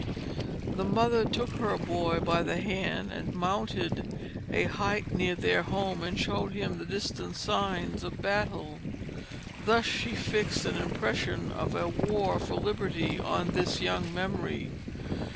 The mother took her boy by the hand and mounted a height near their home and showed him the distant signs of battle. Thus she fixed an impression of a war for liberty on his young memory.